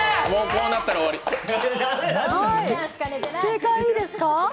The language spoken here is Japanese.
正解いいですか？